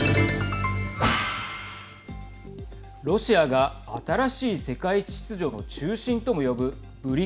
ロシアが新しい世界秩序の中心とも呼ぶＢＲＩＣＳ。